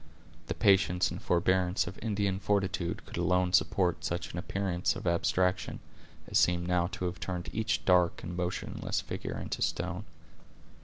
The patience and forbearance of Indian fortitude could alone support such an appearance of abstraction, as seemed now to have turned each dark and motionless figure into stone.